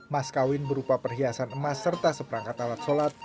maskawin berupa perhiasan emas serta seperangkat alat sholat